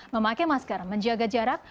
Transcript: memakai masker menjaga jarak